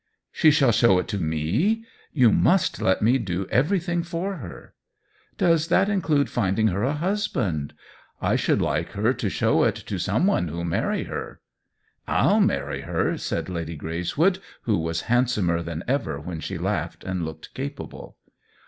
" She shall show it to me ! You must let me do everything for her." "Does that include finding her a hus ••• THE WHEEL OF TIME 5 band? I should like her to show it to some one who'll marry her." "/'ll marry her," said Lady Greyswood, who was handsomer than ever when she laughed and looked capable.